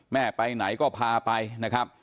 แม่ไปไหนก็พาไปนะครับ